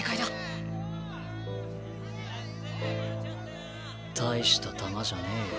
心の声大した球じゃねえよ。